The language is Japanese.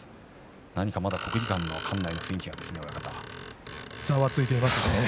２人が国技館の館内の雰囲気がざわついていますね。